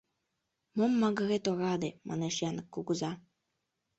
— Мом магырет, ораде! — манеш Янык кугыза.